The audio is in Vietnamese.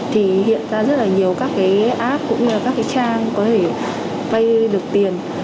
thì hiện ra rất là nhiều các cái app cũng như là các cái trang có thể vay được tiền